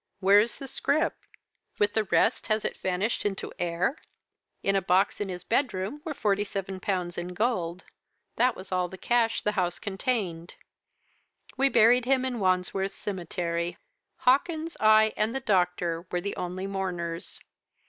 Where is the scrip? With the rest, has it vanished into air? In a box in his bedroom were forty seven pounds in gold. That was all the cash the house contained. We buried him in Wandsworth Cemetery; Hawkins, I, and the doctor were the only mourners.